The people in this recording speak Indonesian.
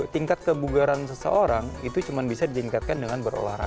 tingkat kebugaran seseorang itu cuma bisa ditingkatkan